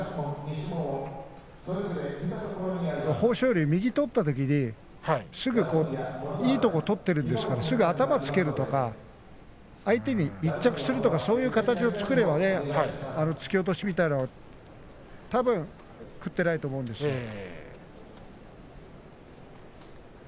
豊昇龍は右を取ったときにいいとこ取ってるんですからすぐ頭をつけるとか相手に密着するとかそういう形を作れれば突き落としみたいなことはたぶん食っていないと思うんですがね。